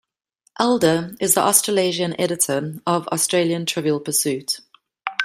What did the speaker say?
Elder is the Australasian editor of Australian Trivial Pursuit.